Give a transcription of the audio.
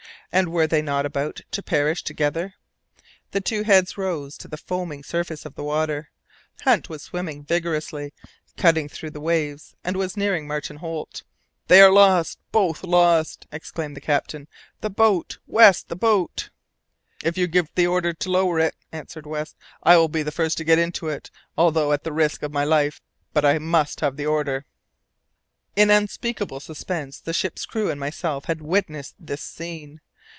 And were they not about to perish together? The two heads rose to the foaming surface of the water. Hunt was swimming vigorously, cutting through the waves, and was nearing Martin Holt. [Illustration: Hunt to the rescue.] "They are lost! both lost!" exclaimed the captain. "The boat, West, the boat!" "If you give the order to lower it," answered West, "I will be the first to get into it, although at the risk of my life. But I must have the order." In unspeakable suspense the ship's crew and myself had witnessed this scene.